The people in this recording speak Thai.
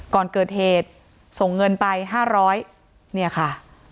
ก่อนเกิดเหตุส่งเงินไป๕๐๐เนี่ยค่ะ